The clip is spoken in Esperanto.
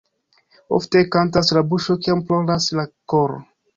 Ofte kantas la buŝo, kiam ploras la koro.